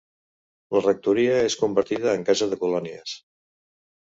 La rectoria és convertida en casa de colònies.